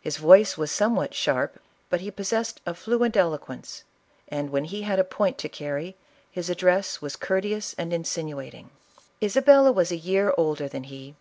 His voice was somewhat sharp, but he possessed a fluent eloquence ; and when he had a point to carry, his address was courteous and insinuating." ISABELLA OF CASTILE. 69 "Isabella was a year older than he.